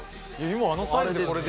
今あのサイズで。